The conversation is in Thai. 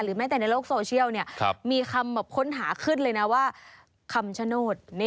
แม้แต่ในโลกโซเชียลมีคำค้นหาขึ้นเลยนะว่าคำชโนธ